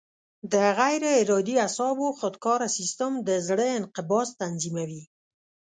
د غیر ارادي اعصابو خودکاره سیستم د زړه انقباض تنظیموي.